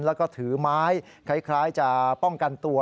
แล้วก็ถือไม้คล้ายจะป้องกันตัว